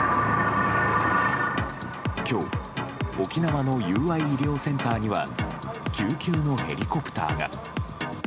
今日沖縄の友愛医療センターには救急のヘリコプターが。